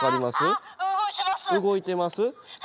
動いてます？